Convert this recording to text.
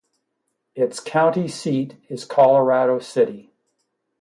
Its county seat is Colorado City.